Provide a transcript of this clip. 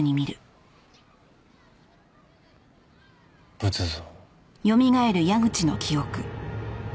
仏像。